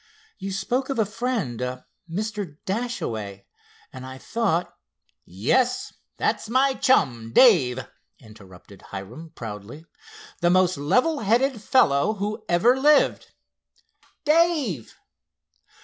You spoke of a friend, a Mr. Dashaway, and I thought——" "Yes, that's my chum, Dave," interrupted Hiram proudly,—"the most level headed fellow who ever lived. Dave!"